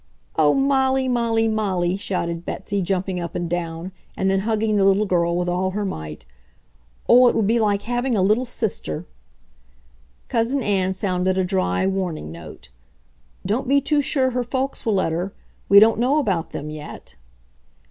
"Oh, Molly, Molly, Molly!" shouted Betsy, jumping up and down, and then hugging the little girl with all her might. "Oh, it will be like having a little sister!" Cousin Ann sounded a dry, warning note: "Don't be too sure her folks will let her. We don't know about them yet."